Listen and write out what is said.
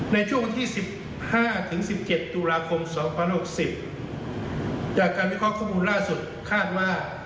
ในช่วงที่สิบห้าถึงสิบเจ็ดตุลาคมสองพันหกสิบจากการวิเคราะห์ข้อมูลล่าสุดคาดว่า